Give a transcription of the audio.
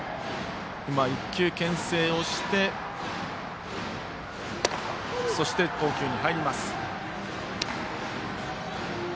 １球、けん制をしてそして投球に入りました。